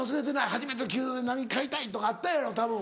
初めての給料何買いたいとかあったやろたぶん。